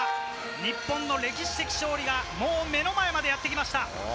日本の歴史的勝利がもう目の前までやってきました。